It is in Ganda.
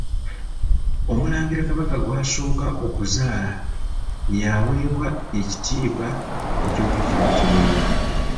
Omulangira kabaka gw'asooka okuzaala, ye aweebwa ekitiibwa eky'okuyitibwa Kiweewa.